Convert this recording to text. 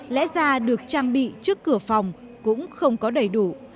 lẽ ra được trang bị trước cửa phòng cũng không có đầy đủ